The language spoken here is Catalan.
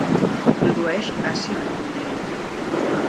Produeix àcid butíric.